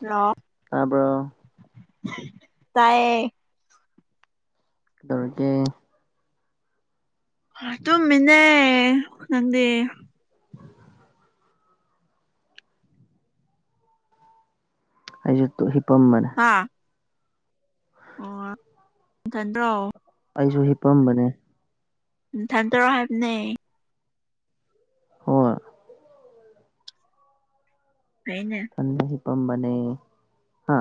hello ꯇꯥꯕ꯭ꯔꯣ ꯇꯥꯏꯌꯦ ꯀꯩꯗꯧꯔꯤꯒꯦ ꯇꯨꯝꯃꯤꯅꯦ ꯅꯪꯗꯤ [inaudible] ꯑꯩꯁꯨ ꯍꯤꯄꯝꯕꯅꯦ ꯍꯥꯥ ꯑꯣ ꯅꯊꯟꯇꯔꯣ ꯑꯩꯁꯨ ꯍꯤꯞꯄꯝꯕꯅꯦ ꯅꯊꯟꯇꯔꯣ ꯍꯥꯏꯕꯅꯦ ꯍꯣꯏ ꯐꯩꯅꯦ ꯑꯩ ꯍꯤꯞꯄꯝꯕꯅꯦ ꯍꯥ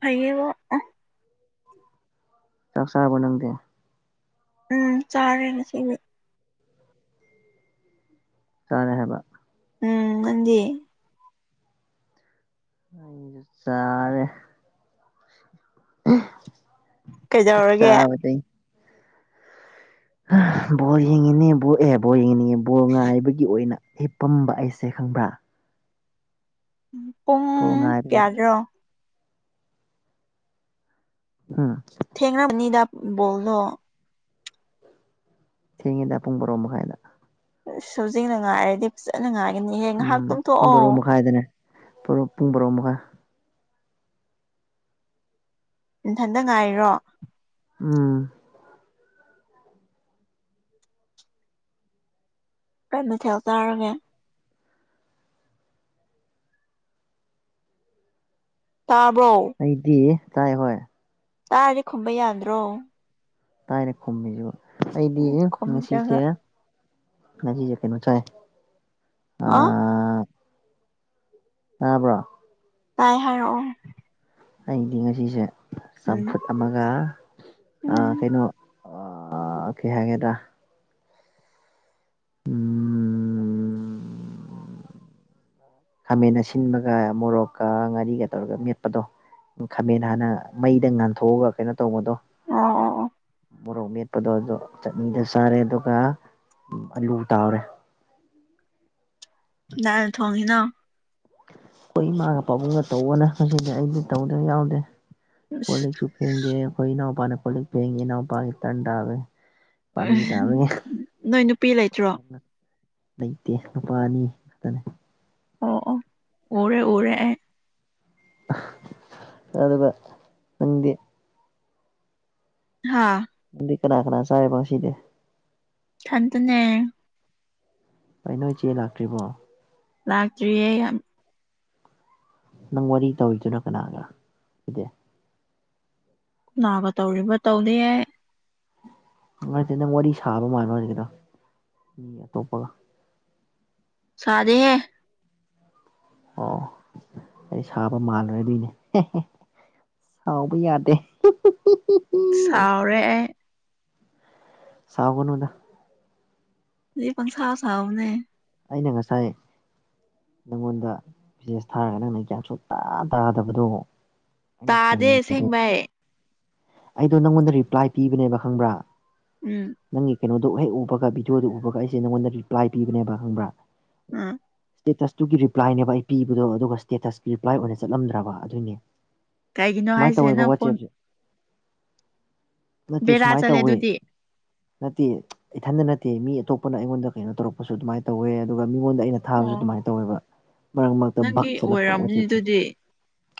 ꯐꯩꯌꯦꯕ ꯑꯁ ꯆꯥꯛ ꯆꯥꯔꯕꯣ ꯅꯪꯗꯤ ꯎꯝ ꯆꯥꯔꯦ ꯉꯁꯤꯗꯤ ꯆꯥꯔꯦ ꯍꯥꯏꯕ ꯎꯝ ꯅꯪꯗꯤ ꯆꯥꯔꯦ ꯀꯩꯗꯧꯔꯒꯦ ꯆꯥꯕꯗꯤ ꯕꯣꯜ ꯌꯦꯡꯉꯤꯅꯦ ꯕ ꯑꯦ ꯕꯣꯜ ꯌꯦꯡꯉꯤꯅꯤ ꯕꯣꯜ ꯉꯥꯏꯕꯒꯤ ꯑꯣꯏꯅ ꯍꯤꯞꯄꯝꯕ ꯑꯩꯁꯦ ꯈꯪꯕ꯭ꯔꯥ ꯄꯨꯡ ꯕꯣꯜ ꯉꯥꯏꯕꯗ ꯀꯌꯥꯗ꯭ꯔꯣ ꯍꯨꯝ ꯊꯦꯡꯔꯝꯅꯤꯗ ꯕꯣꯜꯗꯣ ꯊꯦꯡꯉꯦꯗ ꯄꯨꯡ ꯕꯥꯔꯣ ꯃꯈꯥꯏꯗ ꯍꯧꯖꯤꯡꯅ ꯉꯥꯏꯔꯗꯤ ꯐꯖꯅ ꯉꯥꯏꯔꯅꯤꯍꯦ ꯉꯥꯏꯍꯥꯛ ꯎꯝ ꯇꯨꯝꯊꯣꯛꯑꯣ [inaudible] ꯄꯨꯡ ꯕꯥꯔꯣ ꯃꯈꯥꯏ ꯅꯊꯟꯇ ꯉꯥꯏꯔꯣ ꯎꯝ ꯀꯩ ꯃꯊꯦꯜ ꯆꯥꯔꯒꯦ ꯇꯥꯕꯔꯣ ꯑꯩꯗꯤ ꯇꯥꯏ ꯍꯣꯏ ꯇꯥꯔꯗꯤ ꯈꯨꯝꯕ ꯌꯥꯗ꯭ꯔꯣ ꯇꯥꯏꯅ ꯈꯨꯝꯃꯤꯁꯤꯕꯨ ꯑꯩꯗꯤ ꯎꯝ ꯈꯨꯝꯗ꯭ꯔꯒ ꯉꯁꯤꯁꯦ ꯉꯁꯤꯁꯦ ꯀꯩꯅꯣ ꯆꯥꯏ ꯑꯥ ꯇꯥꯕ꯭ꯔꯥ ꯇꯥꯏ ꯍꯥꯏꯔꯛꯑꯣ ꯑꯩꯗꯤ ꯉꯁꯤꯁꯦ ꯎꯝ ꯆꯝꯐꯨꯠ ꯑꯃꯒ ꯎꯝ ꯀꯩꯅꯣ ꯑ ꯀ ꯍꯥꯏꯒꯦꯗ ꯈꯥꯃꯦꯟ ꯑꯁꯤꯟꯕꯒ ꯃꯣꯔꯣꯛꯀ ꯉꯥꯔꯤꯒ ꯇꯧꯔꯒ ꯃꯦꯠꯄꯗꯣ ꯎ ꯈꯥꯃꯦꯟ ꯍꯥꯟꯅ ꯃꯩꯗ ꯉꯥꯟꯊꯣꯛꯑꯒ ꯀꯩꯅꯣ ꯇꯧꯕꯗꯣ ꯑꯣ ꯑꯣ ꯑꯣ ꯃꯣꯔꯣꯛ ꯃꯦꯠꯄꯗꯣ ꯑꯗꯣ ꯆꯠꯅꯤꯗ ꯆꯥꯔꯦ ꯑꯗꯨꯒ ꯑꯂꯨ ꯇꯥꯎꯔꯦ ꯀꯅꯥ ꯊꯣꯛꯢꯅꯣ ꯑꯩꯈꯣꯏ ꯏꯃꯥꯒ ꯄꯥꯕꯨꯡꯒ ꯇꯧꯕꯅ ꯃꯁꯤꯗꯤ ꯑꯩꯗꯤ ꯇꯧꯗꯕ ꯌꯥꯎꯗꯦ ꯀꯣ ꯑꯁ ꯂꯤꯛꯁꯨ ꯐꯦꯡꯗꯦ ꯑꯩꯣꯏ ꯏꯅꯥꯎ ꯄꯅꯦ ꯈꯣꯣꯏ ꯐꯦꯡꯉꯦ ꯏꯅꯥꯎ ꯄ ꯇꯟꯗꯥꯋꯦ ꯄꯂꯤꯗꯕꯒꯦ ꯅꯣꯏ ꯅꯨꯄꯤ ꯂꯩꯇ꯭ꯔꯣ ꯂꯩꯇꯦ ꯅꯨꯨꯄꯥ ꯑꯅꯤ ꯉꯥꯛꯛꯇꯅꯦ ꯑꯣ ꯑꯣ ꯎꯔꯦ ꯑꯣꯔꯦ ꯑꯦ ꯑꯗꯨꯒꯕ ꯅꯪꯦ ꯍꯥꯥ ꯎꯗꯤ ꯀꯅꯥ ꯀꯅꯥ ꯆꯔꯦ ꯄꯥꯎꯁꯤꯅꯦꯦ ꯈꯇꯅꯦ ꯑꯩ ꯅꯣꯏ ꯏꯆꯦ ꯂꯥꯛꯇ꯭ꯔꯤꯕꯣ ꯂꯥꯛꯇ꯭ꯔꯤꯌꯦꯦ ꯌꯥꯝ ꯅꯪ ꯋꯥꯔꯤ ꯇꯧꯔꯤꯗꯨꯣꯏꯅꯣ ꯀꯅꯥꯒ ꯁꯤꯗꯤ ꯅꯥꯒ ꯇꯧꯔꯤꯕ ꯇꯧꯗꯦ ꯌꯥꯏ ꯅꯨꯡꯉꯥꯏꯇꯦ ꯅꯪ ꯋꯥꯔꯤ ꯁꯥꯕ ꯃꯥꯜꯂꯣ ꯍꯧꯖꯤꯗꯣ ꯃꯤ ꯑꯇꯣꯞꯄꯒ ꯁꯥꯗꯦꯦ ꯑꯣ ꯑꯩ ꯁꯥꯕ ꯃꯥꯜꯂꯨꯔꯗꯣꯏꯅꯦ ꯁꯥꯎꯕ ꯌꯥꯗꯦ ꯄꯨ ꯆꯥꯎꯥꯎꯔꯦꯦ ꯁꯥꯕꯅꯗ ꯑꯗꯨ ꯄ ꯁꯥꯥ ꯁꯥꯕꯅꯦ ꯑꯩꯅ ꯉꯁꯥꯏ ꯅꯪꯉꯣꯟꯗ ꯕꯤꯖꯤꯅꯦꯁ ꯊꯥꯔꯒ ꯅꯪꯅ ꯀ꯭ꯌꯥ ꯁꯣꯛ ꯇꯥ ꯇꯥꯗꯕꯗꯣ ꯑꯩꯅ ꯇꯥꯗꯦ ꯁꯥꯎꯅꯤꯡꯕꯗꯣ ꯑꯁꯦꯡꯕꯩ ꯑꯩꯗꯣ ꯅꯪꯉꯣꯟꯗ ꯔꯤꯄ꯭ꯂꯥꯏ ꯄꯤꯕꯅꯦꯕ ꯈꯪꯕ꯭ꯔꯥ ꯎꯝ ꯅꯪꯒꯤ ꯀꯩꯅꯣꯗꯣ ꯍꯦꯛ ꯎꯕꯒ ꯚꯤꯗꯤꯑꯣꯗꯣ ꯎꯕꯒ ꯑꯩꯁꯦ ꯅꯪꯉꯣꯟꯗ ꯔꯤꯄ꯭ꯂꯥꯏ ꯄꯤꯕꯅꯦꯕ ꯈꯪꯕ꯭ꯔꯥ ꯎꯝ ꯏꯁ꯭ꯇꯦꯇꯁꯇꯨꯒꯤ ꯔꯤꯄ꯭ꯂꯥꯏꯅꯦꯕ ꯑꯩ ꯄꯤꯕꯗꯣ ꯑꯗꯨꯒ ꯁ꯭ꯇꯦꯇꯁꯀꯤ ꯔꯤꯄ꯭ꯂꯥꯏ ꯑꯣꯏꯅ ꯆꯠꯂꯝꯗ꯭ꯔꯕ ꯑꯗꯨꯏꯅꯦ ꯀꯩꯒꯤꯅꯣ ꯁꯨꯃꯥꯏꯅ ꯍꯥꯏꯁꯦ ꯇꯧꯋꯦꯕ ꯅꯪ ꯐꯣꯟ ꯋꯥꯆꯦꯞꯁꯦ ꯅꯠꯇꯦ ꯕꯦꯔꯥ ꯁꯨꯃꯥꯏꯅ ꯆꯠꯂꯦ ꯇꯧꯋꯦ ꯑꯗꯨꯗꯤ ꯅꯠꯇꯦ ꯏꯊꯟꯇ ꯅꯠꯇꯦ ꯃꯤ ꯑꯇꯣꯞꯄꯅ ꯑꯩꯉꯣꯟꯗ ꯀꯩꯅꯣ ꯇꯧꯔꯛꯄꯁꯨ ꯑꯗꯨꯃꯥꯏꯅ ꯇꯧꯋꯦ ꯑꯗꯨꯒ ꯃꯤꯉꯣꯟꯗ ꯑꯩꯅ ꯊꯥꯕꯁꯨ ꯑꯣ ꯑꯗꯨꯃꯥꯏꯅ ꯇꯧꯋꯦꯕ ꯃꯔꯔ ꯃꯔ ꯅꯪꯒꯤ ꯆꯂꯛꯄ ꯑꯣꯏꯔꯝꯅꯤ ꯋꯥꯆꯦ ꯑꯗꯨꯗꯤ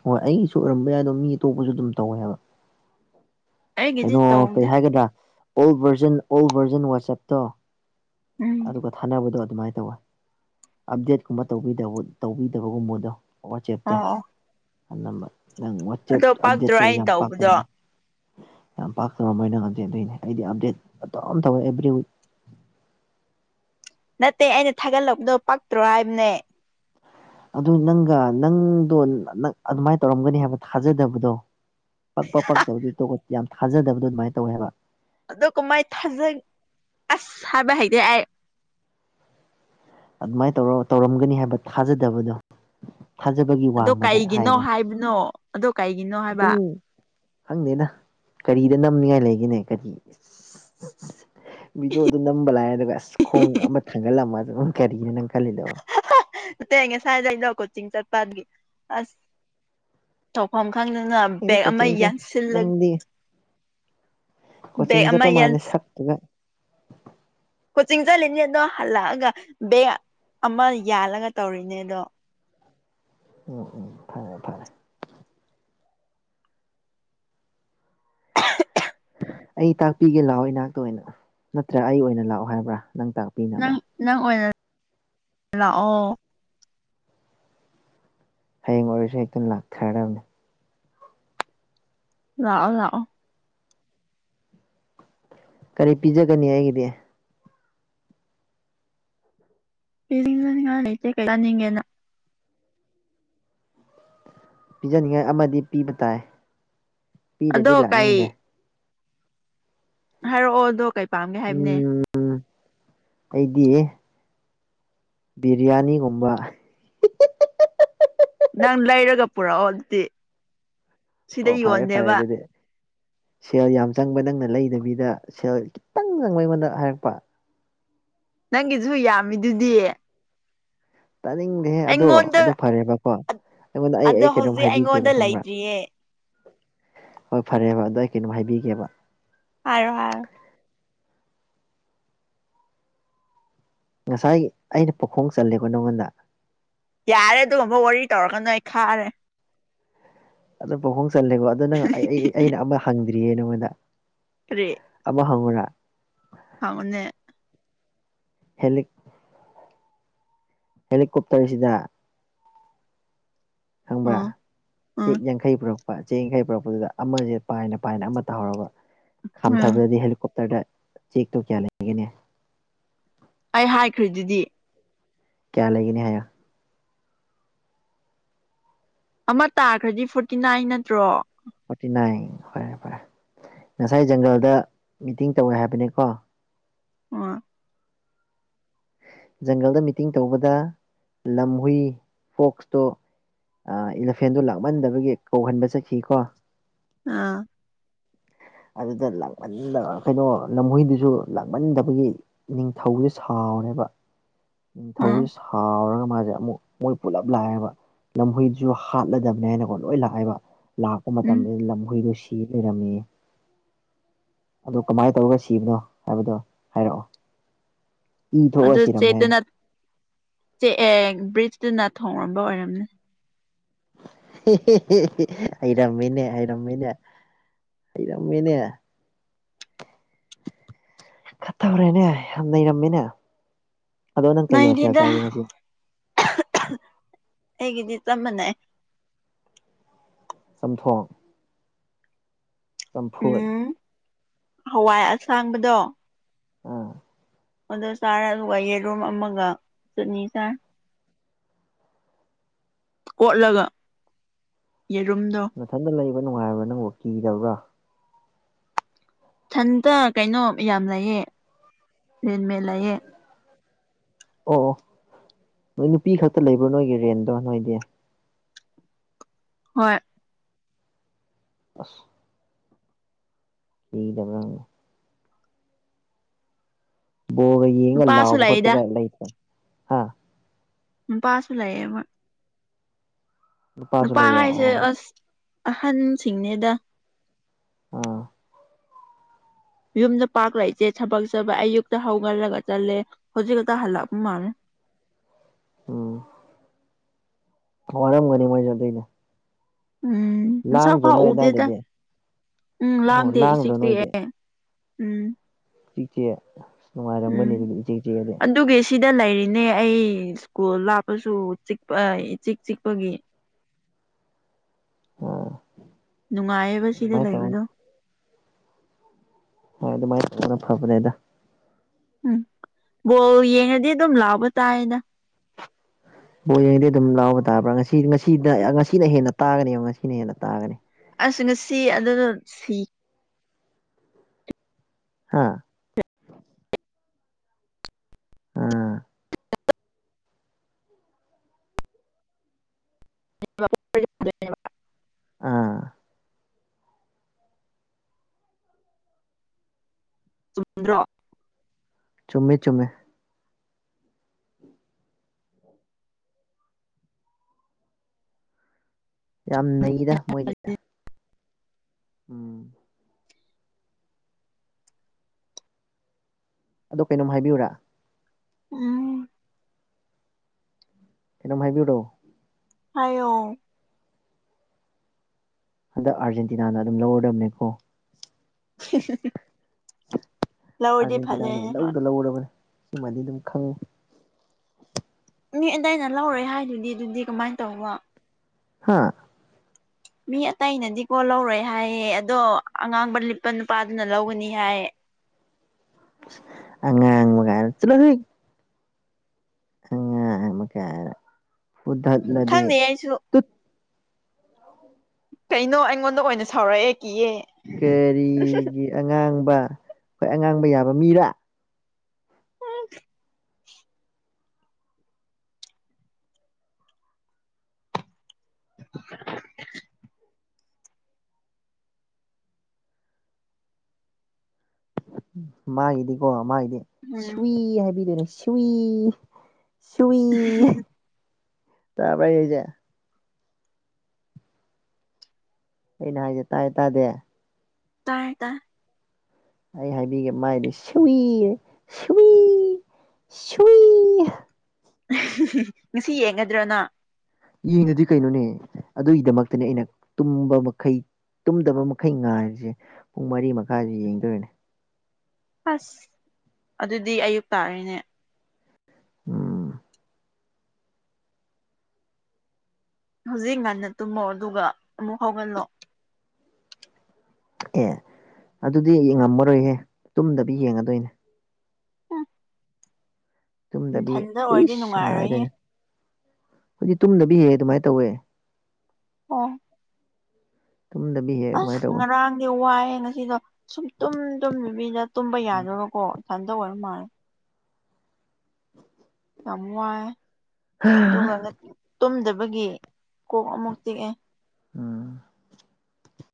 ꯍꯣꯏ ꯑꯩꯁꯨ ꯑꯣꯏꯔꯝꯕ ꯌꯥꯗꯣ ꯃꯤ ꯑꯇꯣꯞꯄꯁꯨ ꯑꯗꯨꯝ ꯇꯧꯋꯦ ꯍꯥꯏꯕ ꯑꯩꯒꯤꯗꯤ ꯀꯩꯅꯣ ꯇꯧꯗꯦ ꯀꯩ ꯍꯥꯏꯒꯗ꯭ꯔꯥ ꯑꯣꯜ ꯚꯔꯖꯟ ꯑꯣꯜ ꯚꯔꯖꯟ ꯋꯥꯆꯞꯇꯣ ꯎꯝ ꯑꯗꯨꯒ ꯊꯥꯅꯕꯗꯣ ꯑꯗꯨꯃꯥꯏꯅ ꯇꯧꯋꯦ ꯑꯞꯗꯦꯠꯀꯨꯝꯕꯧꯕ ꯇꯧꯕꯤꯗꯕꯒꯨꯝꯕꯗꯣ ꯋꯥꯆꯦꯞꯇꯣ ꯑꯣ ꯑꯣ ꯑꯅꯝꯕ ꯅꯪ ꯋꯥꯦꯞ ꯑꯗꯣ ꯄꯛꯇ꯭ꯔꯣ ꯑꯗꯦ ꯑꯩꯅ ꯌꯥꯝ ꯇꯧꯕꯗꯣ ꯄꯥꯀꯅꯣ ꯌꯥꯝ ꯄꯥꯛꯇꯔꯝꯃꯣꯏꯅ ꯈꯟꯖꯦ ꯑꯗꯨꯣꯏꯅꯦ ꯑꯩꯗꯤ ꯑꯞꯗꯦꯠꯧ ꯇꯧꯋꯦ ꯑꯦꯕ꯭ꯔꯤ ꯋꯤꯛ ꯅꯠꯇꯦ ꯑꯩꯅ ꯊꯥꯒꯠꯂꯛꯄꯗꯣ ꯄꯛꯇ꯭ꯔꯣ ꯍꯥꯏꯕꯅꯦ ꯑꯗꯨ ꯅꯪꯒ ꯅꯪꯗꯣ ꯑꯗꯨꯃꯥꯏꯅ ꯇꯧꯔꯝꯒꯅꯤ ꯍꯥꯏꯕ ꯊꯥꯖꯗꯕꯗꯣ ꯄꯛꯄ ꯄꯛꯇꯕꯗꯤ ꯇ ꯌꯥꯝ ꯊꯥꯖꯗꯕꯗꯣ ꯑꯗꯨꯃꯥꯏꯅ ꯇꯧꯋꯦꯕ ꯑꯗꯣ ꯀꯃꯥꯏ ꯊꯥꯖ ꯑꯁ ꯍꯥꯏꯕ ꯍꯥꯏꯗꯤ ꯑꯩ ꯑꯗꯨꯃꯥꯏꯅ ꯇꯧꯔ ꯇꯧꯔꯝꯒꯅꯤ ꯍꯥꯏꯕ ꯊꯥꯖꯗꯕꯗꯣ ꯊꯥꯖꯕꯒꯤ ꯑꯗꯣ ꯋꯥꯡꯃꯗ ꯀꯩꯒꯤꯅꯣ ꯍꯥꯏꯅ ꯍꯥꯏꯕꯅꯣ ꯑꯗꯣ ꯀꯩꯒꯤꯅꯣ ꯍꯥꯏꯕ ꯑꯗꯨꯝ ꯈꯪꯗꯦꯅ ꯀꯔꯤꯗ ꯅꯝꯅꯤꯉꯥꯏ ꯂꯩꯒꯦꯅꯦ ꯀꯔꯤ ꯚꯗꯤꯑꯣꯗ ꯅꯝꯕ ꯂꯥꯛꯑꯦ ꯑꯗꯨꯒ ꯑꯁ ꯈꯣꯡ ꯑꯃ ꯊꯥꯡꯒꯠꯂꯝꯃ ꯑꯗꯨꯝ ꯀꯔꯤꯒꯤꯅꯪ ꯀꯜꯂꯂꯣ ꯠꯇꯦꯡ ꯉꯦ ꯁꯥꯏꯗꯩꯩꯅꯣ ꯀꯣꯆꯤꯡ ꯆꯠꯄꯒꯤ ꯑꯁ ꯇꯧꯐꯝ ꯈꯪꯗꯅ ꯑꯩꯅ ꯕꯦꯦꯛ ꯑꯃ ꯀꯣꯆꯤꯡ ꯆꯠ ꯌꯥꯟꯁꯤꯜꯂ ꯅꯪꯗꯤ ꯕꯦꯛ ꯀꯣꯆꯤꯡ ꯑꯃ ꯆꯠꯄ ꯃꯥꯜꯂꯦ ꯌꯦꯟꯁ ꯁꯛꯇꯨꯒ ꯀꯣꯆꯤꯡ ꯆꯠꯂꯤꯅꯦ ꯑꯗꯣ ꯍꯜꯂꯛꯑꯒ ꯕꯦꯛ ꯑꯃ ꯌꯥꯜꯂꯒ ꯇꯧꯔꯤꯅꯦ ꯑꯗꯣ ꯎꯝ ꯎꯝ ꯐꯔꯦ ꯐꯔꯦ ꯑꯩ ꯇꯥꯛꯄꯤꯒꯦ ꯂꯥꯛꯑꯣ ꯏꯅꯥꯛꯇ ꯑꯣꯏꯅ ꯅꯠꯇ꯭ꯔꯥ ꯑꯩ ꯑꯣꯏꯅ ꯂꯥꯛꯑꯣ ꯍꯥꯏꯕ꯭ꯔꯥ ꯅꯪ ꯇꯥꯛꯄꯤ ꯅꯪ ꯅꯪ ꯑꯣꯏꯅ ꯂꯥꯛꯑꯣ ꯍꯌꯦꯡ ꯑꯣꯏꯔꯁꯨ ꯍꯦꯛꯇ ꯂꯥꯛꯊꯔꯕꯅꯦ ꯂꯥꯛꯑꯣ ꯂꯥꯛꯑꯣ ꯀꯔꯤ ꯄꯤꯖꯒꯅꯤ ꯑꯩꯒꯤꯗꯤ ꯂꯤꯅꯤ ꯉꯥꯏ ꯂꯩꯇꯦ ꯇꯅꯤꯪ ꯏ ꯅꯥ ꯄꯤꯖꯅꯤꯡꯉꯥꯏ ꯑꯃꯗꯤ ꯄꯤꯕ ꯇꯥꯏ ꯑꯗꯣ ꯄꯤꯗꯗꯤ ꯂꯥꯛꯅꯤꯡꯗꯦ ꯀꯩ ꯍꯥꯏꯔꯛꯑꯣ ꯑꯗꯣ ꯀꯩ ꯄꯥꯝꯒꯦ ꯍꯥꯏꯕꯅꯦ ꯎꯝ ꯑꯩꯗꯤ ꯕꯤꯔꯌꯥꯅꯤꯒꯨꯝꯕ ꯅꯪ ꯂꯩꯔꯒ ꯄꯨꯔꯛꯑꯣ ꯑꯗꯨꯗꯤ ꯁꯤꯗ ꯑꯣ ꯐꯔꯦ ꯐꯔꯦ ꯌꯣꯟꯗꯦꯕ ꯑꯗꯨꯗꯤ ꯁꯦꯜ ꯌꯥꯝ ꯆꯪꯕ ꯅꯪꯅ ꯂꯩꯗꯕꯤꯗ ꯁꯦꯜ ꯈꯤꯇꯪ ꯆꯪꯕ ꯑꯩꯉꯣꯟꯗ ꯍꯥꯏꯔꯛꯄ ꯅꯪꯒꯤꯁꯨ ꯌꯥꯝꯃꯤꯗꯨꯗꯤ ꯇꯥꯅꯤꯡꯗꯦꯍꯦ ꯑꯗꯣ ꯑꯩꯉꯣꯟꯗ ꯑꯗꯨ ꯐꯔꯦꯕꯀꯣ ꯑꯩꯉꯣꯟꯗ ꯑꯩ ꯑꯗꯣ ꯑꯩ ꯀꯩꯅꯣꯝ ꯍꯧꯖꯤꯛ ꯑꯩꯉꯣꯟꯗ ꯍꯥꯏꯕꯤꯒꯦꯕ ꯈꯪꯕ꯭ꯔꯥ ꯂꯩꯇ꯭ꯔꯤꯌꯦ ꯍꯣꯏ ꯐꯔꯦꯕ ꯑꯗꯨꯗ ꯑꯩ ꯀꯩꯅꯣꯝ ꯍꯥꯏꯕꯤꯒꯦꯕ ꯑꯔ ꯍꯥ ꯉꯁꯥꯏ ꯑꯩꯅ ꯄꯈꯣꯡ ꯆꯂꯦꯀꯣ ꯅꯪꯉꯣꯟꯗ ꯌꯥꯔꯦ ꯑꯗꯨꯒꯨꯝꯕ ꯋꯥꯔꯤ ꯇꯧꯔꯛꯀꯅꯣꯏ ꯑꯩ ꯈꯥꯔꯦ ꯑꯗꯨ ꯄꯥꯎꯍꯣꯡ ꯆꯜꯂꯦꯀꯣ ꯑꯗꯨ ꯅꯪ ꯑꯩ ꯑꯩꯅ ꯑꯃ ꯍꯪꯗ꯭ꯔꯤꯌꯦ ꯅꯉꯣꯟꯗ ꯔꯦ ꯑꯃꯥ ꯍꯧꯎꯔꯥ ꯐꯅꯦ ꯍꯦꯂꯦꯛ ꯍꯦꯂꯤꯀꯣꯞꯇꯔꯁꯤꯗ ꯈꯪꯕ꯭ꯔꯥ ꯎꯝ ꯎꯝ ꯆꯦꯛ ꯌꯥꯡꯈꯩ ꯄꯨꯔꯛꯄ ꯆꯦꯛ ꯌꯥꯡꯈꯩ ꯄꯨꯔꯛꯄꯗꯨꯗ ꯑꯃꯁꯦ ꯄꯥꯏꯅ ꯄꯥꯏꯅ ꯑꯃ ꯇꯥꯍꯧꯔꯕ ꯎꯝ ꯈꯥꯝꯊꯕꯗꯗꯤ ꯍꯦꯂꯤꯀꯣꯞꯇꯔꯗ ꯆꯦꯛꯛꯇꯣ ꯀꯌꯥ ꯂꯩꯒꯅꯤ ꯑꯩ ꯍꯥꯏꯈ꯭ꯔꯤꯦꯗꯨꯗꯤ ꯀꯌꯥ ꯂꯩꯒꯦꯅꯤ ꯍꯥꯏꯌꯣ ꯑꯃ ꯇꯥꯈ꯭ꯔꯗꯤ ꯐꯣꯔꯇꯤ ꯅꯥꯏꯟ ꯅꯠꯇ꯭ꯔꯣ ꯐꯣꯔꯇꯤ ꯅꯥꯏꯟ ꯐꯔꯦ ꯐꯔꯦ ꯉꯁꯥꯏ ꯖꯪꯒꯜꯗ ꯃꯤꯇꯤꯡ ꯇꯧꯋꯦ ꯍꯥꯏꯕꯅꯤꯀꯣ ꯑꯣ ꯖꯪꯒꯜꯗ ꯃꯤꯇꯤꯡ ꯇꯧꯕꯗ ꯂꯝ ꯍꯨꯏ ꯐꯣꯛꯁꯇꯣ ꯑ ꯏꯂꯤꯐꯦꯟꯗꯣ ꯂꯥꯛꯃꯟꯗꯕꯒꯤ ꯀꯧꯍꯟꯕ ꯆꯠꯈꯤ ꯀꯣ ꯑꯥ ꯑꯗꯨꯗ ꯂꯥꯛꯃꯟꯗꯕ ꯀꯩꯅꯣ ꯂꯝꯍꯣꯏꯗꯨꯁꯨ ꯂꯥꯛꯃꯟꯗꯕꯒꯤ ꯅꯤꯡꯊꯧꯁꯦ ꯁꯥꯎꯅꯦꯕ ꯅꯤꯡꯊꯧꯁꯦ ꯎꯝ ꯁꯥꯎꯔꯒ ꯃꯥꯁꯦ ꯑꯃꯨꯛ ꯃꯣꯏ ꯄꯨꯜꯂꯞ ꯂꯥꯛꯑꯦꯕ ꯂꯝꯍꯣꯏꯗꯨꯁꯨ ꯍꯥꯠꯂꯗꯕꯅꯦ ꯍꯥꯏꯅꯀꯣ ꯂꯣꯏ ꯂꯥꯛꯑꯦꯕ ꯂꯥꯛꯄ ꯎꯝ ꯃꯇꯝꯗ ꯂꯝꯍꯨꯏꯗꯨ ꯁꯤ ꯂꯩꯔꯝꯃꯦꯌꯦ ꯑ ꯀꯃꯥꯏꯅ ꯇꯧꯔꯒ ꯁꯤꯕꯅꯣ ꯍꯥꯏꯕꯗꯣ ꯍꯥꯏꯔꯛꯑꯣ ꯏ ꯊꯣꯛꯑ ꯑꯗꯨ ꯁꯤꯔꯝꯃꯦ ꯆꯦꯠꯇꯨꯅ ꯆꯦꯛꯑ ꯕ꯭ꯔꯤꯖꯇꯨꯅ ꯊꯣꯡꯔꯝꯕ ꯑꯣꯏꯔꯝꯅꯤ ꯍꯩꯔꯝꯃꯤꯅꯦ ꯍꯩꯔꯝꯃꯤꯅꯦ ꯍꯩꯔꯝꯃꯤꯅꯦ ꯈꯥ ꯇꯧꯔꯦꯅꯦ ꯌꯥꯝ ꯅꯩꯔꯝꯃꯦꯅꯦ ꯅꯣꯏꯗꯤꯗ ꯉꯁꯤ ꯑꯩꯒꯤꯗꯤ ꯆꯞ ꯃꯥꯟꯅꯩ ꯆꯝꯊꯣꯡ ꯆꯝꯐꯨꯠ ꯎꯝ ꯍꯋꯥꯏ ꯑꯁꯥꯡꯕꯗꯣ ꯑꯥ ꯑꯗꯣ ꯆꯥꯔ ꯑꯗꯨꯒ ꯌꯦꯔꯨꯝ ꯑꯃꯒ ꯆꯠꯅꯤ ꯆꯥꯏ ꯀꯣꯠꯂꯒ ꯌꯦꯔꯨꯝꯗꯣ ꯃꯊꯟꯇ ꯂꯩꯕ ꯅꯨꯡꯉꯥꯏꯕ꯭ꯔꯥ ꯅꯪꯕꯨ ꯀꯤꯗꯕ꯭ꯔꯥ ꯊꯟꯇ ꯀꯩꯅꯣ ꯌꯥꯝ ꯂꯩꯑ ꯔꯦꯟꯃꯦꯠ ꯂꯩꯑ ꯑꯣ ꯑꯣ ꯅꯣꯏ ꯅꯨꯄꯤ ꯈꯛꯇ ꯂꯩꯕ꯭ꯔꯣ ꯅꯣꯏꯒꯤ ꯔꯦꯟꯗꯣ ꯅꯣꯏꯗꯤ ꯍꯣꯏ ꯑꯁ ꯀꯤꯗꯕ꯭ꯔ ꯕꯣꯜꯒ ꯌꯦꯡꯉ ꯅꯨꯄꯥꯁꯨ ꯂꯥꯎꯕ ꯂꯩꯗ ꯈꯣꯠꯄꯒ ꯂꯩꯇ꯭ꯔꯣ ꯍꯥ ꯎꯝ ꯅꯨꯄꯥꯁꯨ ꯂꯩꯑꯦ ꯍꯣꯏ ꯅꯨꯄꯥꯁꯨ ꯅꯨꯄꯥ ꯂꯩꯔꯦ ꯍꯥꯏꯁꯦ ꯑꯣ ꯑꯁ ꯑꯍꯟꯁꯤꯡꯅꯦꯗ ꯑꯥ ꯌꯨꯝꯗ ꯄꯥꯛ ꯂꯩꯇꯦ ꯊꯕꯛ ꯆꯕ ꯑꯌꯨꯛꯇ ꯍꯧꯒꯠꯂꯒ ꯆꯠꯂꯦ ꯍꯧꯖꯤꯛ ꯈꯛꯇ ꯍꯜꯂꯛꯄ ꯃꯥꯜꯂꯦ ꯎꯝ ꯋꯥꯔꯝꯒꯅꯤ ꯃꯣꯏꯁꯨ ꯑꯗꯨꯏꯅꯦ ꯎꯝ ꯃꯁꯛ ꯂꯥꯡꯗ꯭ꯔꯣ ꯐꯥꯎ ꯅꯣꯏ ꯎꯗꯦꯗ ꯑꯗꯥꯏꯗꯗꯤ ꯎꯝ ꯑꯣ ꯂꯥꯝꯗꯦ ꯏꯆꯤꯛ ꯂꯥꯡꯗ꯭ꯔꯣ ꯅꯣꯏꯗꯤ ꯆꯤꯛꯑꯦ ꯎꯝ ꯏꯆꯤꯛ ꯆꯨꯛꯑ ꯎꯝ ꯅꯨꯡꯉꯥꯏꯔꯝꯒꯅꯤ ꯑꯗꯨꯗꯤ ꯏꯆꯤꯛ ꯆꯤꯛꯑꯗꯤ ꯑꯗꯨꯒꯤ ꯁꯤꯗ ꯂꯩꯔꯤꯅꯦ ꯑꯩ ꯁ꯭ꯀꯨꯜ ꯂꯥꯞꯄꯁꯨ ꯆꯤꯛꯄ ꯏꯆꯤꯛ ꯆꯤꯛꯄꯒꯤ ꯑꫭ ꯅꯨꯡꯉꯥꯏꯌꯦꯕ ꯁꯤꯗ ꯂꯩꯕꯗꯣ ꯍꯣꯏ ꯑꯗꯨꯃꯥꯏꯅ ꯇꯧꯕꯅꯥ ꯐꯕꯅꯦꯗ ꯎꯝ ꯕꯣꯜ ꯌꯦꯡꯉꯗꯤ ꯑꯗꯨꯝ ꯂꯥꯎꯕ ꯇꯥꯏꯌꯦꯗꯥ ꯕꯣꯜ ꯌꯦꯡꯉꯗꯤ ꯑꯗꯨꯝ ꯂꯥꯎꯕ ꯇꯥꯕ꯭ꯔꯥ ꯉꯁꯤ ꯉꯁꯤꯗ ꯉꯁꯤꯅ ꯍꯦꯟꯅ ꯇꯥꯒꯅꯦꯕ ꯉꯁꯤꯅ ꯍꯦꯟꯅ ꯇꯥꯒꯅꯤ ꯑꯁ ꯉꯁꯤ ꯑꯗꯨꯗꯣ ꯁꯤ ꯍꯥꯥ ꯑꯥ [unintelligible] ꯑꯥ ꯆꯨꯝꯗ꯭ꯔꯣ ꯆꯨꯝꯃꯦ ꯆꯨꯝꯃꯦ ꯌꯥꯝ ꯅꯩꯗ ꯃꯣꯏꯒꯤ ꯎꯝ ꯑꯗꯣ ꯀꯩꯅꯣꯝ ꯍꯥꯏꯕꯤꯌꯨꯨꯔꯥ ꯎꯝ ꯀꯩꯅꯝ ꯍꯥꯏꯕꯤꯌꯨꯔꯣ ꯍꯥꯏꯌꯣ ꯍꯟꯗꯛ ꯑꯥꯔꯖꯦꯟꯇꯤꯅꯥꯅ ꯑꯗꯨꯝ ꯂꯧꯔꯗꯕꯅꯦꯀꯣ [unintelligible] ꯂꯧꯔꯗꯤ ꯑꯥꯔꯖꯦꯟꯇꯤꯅꯥꯅꯦ ꯐꯖꯩꯅꯦ ꯍꯣꯏ ꯂꯧꯗ ꯂꯧꯔꯕꯅꯤꯅꯦ ꯁꯤꯃꯗꯤ ꯑꯗꯨꯝ ꯈꯪꯉꯨ ꯃꯤ ꯑꯗꯨꯗꯥꯏꯅ ꯂꯧꯔꯦ ꯍꯥꯏꯗꯨꯗꯤ ꯑꯗꯨꯗꯤ ꯀꯃꯥꯏꯅ ꯇꯧꯕ ꯍꯥꯥ ꯃꯤ ꯑꯇꯩꯅꯗꯤꯀꯣ ꯂꯧꯔꯣꯏ ꯍꯥꯏꯌꯦ ꯑꯗꯣ ꯑꯉꯥꯡꯕ ꯂꯤꯠꯄ ꯅꯨꯄꯥꯗꯨꯅ ꯂꯧꯒꯅꯤ ꯍꯥꯏ ꯑꯉꯥꯡꯒꯥꯏ ꯆꯂꯣꯍꯥꯏ ꯑꯉꯥꯡꯕ ꯀꯥꯏꯅ ꯐꯨꯗꯂꯗꯤ ꯈꯪꯗꯦ ꯑꯩꯁꯨ ꯀꯩꯅꯣ ꯑꯩꯉꯣꯟꯗ ꯑꯣꯏꯅ ꯁꯥꯎꯔꯛꯑꯦ ꯀꯤꯌꯦ ꯀꯔꯤꯒꯤ ꯑꯉꯥꯡꯕ ꯍꯣꯏ ꯑꯉꯥꯡꯕ ꯌꯥꯕ ꯃꯤꯔꯥ ꯎꯝ [unintelligible] ꯃꯥꯒꯤꯗꯤꯀꯣ ꯃꯥꯒꯤꯗꯤ ꯎꯝ ꯁꯋꯤ ꯍꯥꯏꯕꯤꯗꯣꯏꯅꯦ ꯁꯋꯤ ꯁꯨꯏ ꯇꯄ ꯌꯦꯖꯦ ꯑꯩꯅ ꯍꯥꯏꯁꯦ ꯇꯥꯏ ꯇꯥꯗꯦ ꯇꯥ ꯇ ꯑꯩ ꯍꯥꯏꯕꯤꯒꯦ ꯃꯥꯏꯗꯤ ꯁꯨꯏ ꯁꯨꯏ ꯁꯨꯏ ꯉꯁꯤ ꯌꯦꯡꯒꯗ꯭ꯔꯣꯅ ꯌꯦꯡꯅꯗꯤ ꯀꯩꯅꯣꯅꯦ ꯑꯗꯨꯒꯤꯗꯃꯛꯇꯅꯦ ꯑꯩꯅ ꯇꯨꯝꯕ ꯃꯈꯩ ꯇꯨꯝꯗꯕ ꯃꯈꯩ ꯉꯥꯏꯔꯤꯁꯦ ꯄꯨꯡ ꯃꯔꯤ ꯃꯈꯥꯏꯁꯤꯦ ꯌꯦꯡꯗꯣꯏꯔꯅꯦ ꯑꯁ ꯑꯗꯨꯗꯤ ꯑꯌꯨꯛ ꯇꯥꯔꯤꯅꯦ ꯎꯝ ꯍꯧꯖꯤꯛ ꯉꯟꯅ ꯇꯨꯝꯃꯣ ꯑꯗꯨꯒ ꯑꯃꯨꯛ ꯍꯧꯒꯜꯂꯣ ꯑꯦ ꯑꯗꯨꯗꯤ ꯌꯦꯡꯉꯝꯃꯔꯣꯏꯍꯦ ꯇꯨꯝꯗꯕꯤ ꯌꯦꯡꯉꯗꯣꯏꯅꯦ ꯎꯝ ꯇꯨꯝꯗꯕꯤ ꯅꯊꯟꯗ ꯑꯣꯏꯔꯗꯤ ꯏꯁ ꯅꯨꯡꯉꯥꯏꯔꯣꯏꯍꯦ ꯉꯥꯏꯗꯣꯏꯅꯦ ꯍꯧꯖꯤꯛ ꯇꯨꯝꯗꯕꯤ ꯍꯦꯛ ꯑꯗꯨꯃꯥꯏꯅ ꯇꯧꯋꯦ ꯑꯣ ꯇꯨꯝꯗꯕꯤ ꯍꯦꯛ ꯑꯁ ꯑꯗꯨꯃꯥꯏꯅ ꯇꯧꯋꯦ ꯉꯔꯥꯡꯗꯤ ꯋꯥꯏꯑꯦ ꯉꯁꯤꯗꯣ ꯁꯨꯝ ꯇꯨꯝ ꯇꯨꯝꯕꯤꯗ ꯇꯨꯝꯕ ꯎꯝ ꯌꯥꯗꯣꯏꯕꯀꯣ ꯀꯗ ꯑꯣꯏꯔ ꯃꯥ ꯌꯥꯝ ꯋꯥꯏ ꯑꯗꯨꯒ ꯇꯨꯝꯗꯕꯒꯤ ꯀꯣꯛ ꯑꯃꯨꯛ ꯆꯤꯛꯑꯦ ꯎꯝ